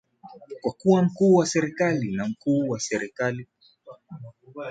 kuwa mkuu wa serikali na mkuu wa serikali